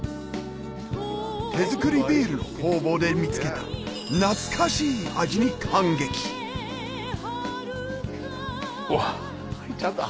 手作りビールの工房で見つけた懐かしい味に感激うわっ入っちゃった！